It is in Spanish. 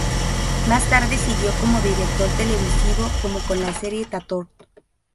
Más tarde siguió como director televisivo, como con la serie "Tatort".